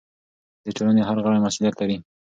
د ټولنې هر غړی مسؤلیت لري.